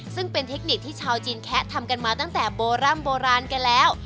ซึ่งเป็นเทคนิคที่ชาวจีนแคะทำกันมาตั้งแต่โบร่ำโบราณกันแล้ว